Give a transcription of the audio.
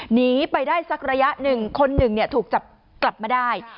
หนีไปได้สักระยะหนึ่งคนหนึ่งถูกจับกลับมาได้